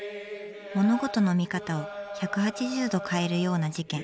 物事の見方を１８０度変えるような事件。